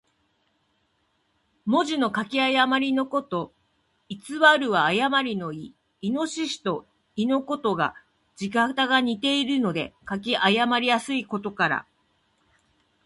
文字の書き誤りのこと。「譌」は誤りの意。「亥」と「豕」とが、字形が似ているので書き誤りやすいことから。